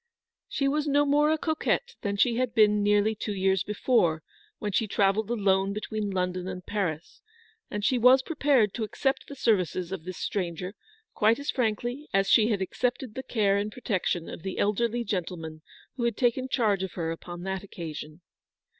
She was no more a coquette than she had been nearly two years before when she travelled alone between London and Paris, and she was prepared to accept the services of this stranger quite as frankly as she had accepted the care and protec tion of the elderly gentleman who had taken charge of her upon that occasion. GILBERT MONCKTON.